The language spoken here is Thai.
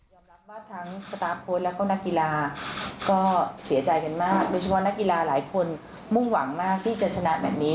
รับว่าทั้งสตาร์ฟโค้ดแล้วก็นักกีฬาก็เสียใจกันมากโดยเฉพาะนักกีฬาหลายคนมุ่งหวังมากที่จะชนะแบบนี้